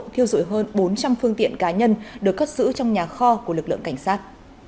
thiêu dụi hơn bốn trăm linh phương tiện cá nhân được cất giữ trong nhà kho của lực lượng cảnh sát